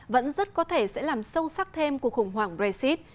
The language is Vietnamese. vẫn rất có thể sẽ làm sâu sắc thêm cuộc khủng hoảng brexit